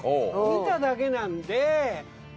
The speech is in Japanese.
見ただけなんで。